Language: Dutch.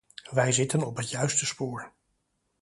Wij zitten op het juiste spoor.